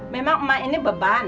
memang emak ini beban